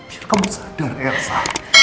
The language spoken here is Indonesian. biar kamu sadar elsa